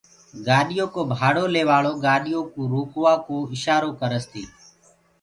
گآڏيو ڪو ڀاڙو ليوآݪو گآڏيو ڪو روڪوآ ڪو اشآرو ڪرس تيٚ